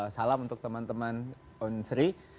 salam untuk teman teman on sri